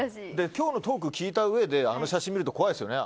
今日のトークを聞いたうえであの写真を見ると怖いですよね。